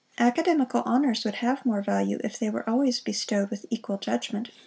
Academical honours would have more value, if they were always bestowed with equal judgement.